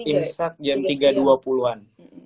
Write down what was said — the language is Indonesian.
imsak jam tiga dua puluh an